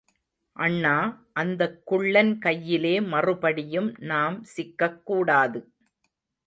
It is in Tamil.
அண்ணா, அந்தக் குள்ளன் கையிலே மறுபடியும் நாம் சிக்கக் கூடாது.